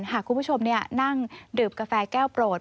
หากคุณผู้ชมนั่งดื่มกาแฟแก้วโปรด